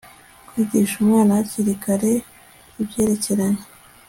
Kwigisha Umwana Hakiri Kare Ibyerekeranye